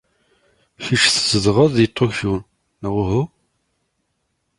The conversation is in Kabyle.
Kecc tzedɣed deg Tokyo, neɣ uhu?